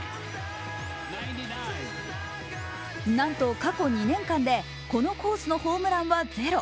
なんと過去２年間でこのコースのホームランはゼロ。